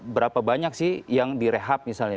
berapa banyak sih yang direhab misalnya